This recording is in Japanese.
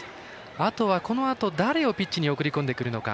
あとはこのあと誰をピッチに送り込んでくるのか。